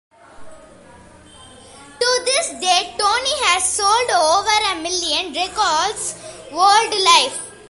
To this date Tony has sold over a million records worldwide.